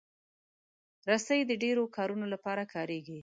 رسۍ د ډیرو کارونو لپاره کارېږي.